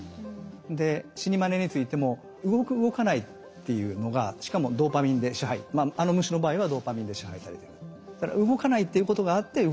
で死にまねについても動く動かないっていうのがしかもドーパミンで支配あの虫の場合はドーパミンで支配されている。